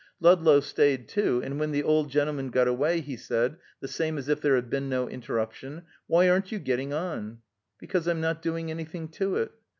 Ludlow stayed, too, and when the old gentleman got away, he said, the same as if there had been no interruption, "Why aren't you getting on?" "Because I'm not doing anything to it."